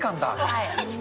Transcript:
はい。